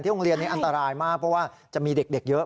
โรงเรียนนี้อันตรายมากเพราะว่าจะมีเด็กเยอะ